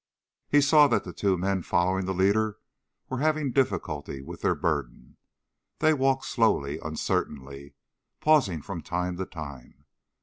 He saw that the two men following the leader were having difficulty with their burden. They walked slowly, uncertainly, pausing from time to time.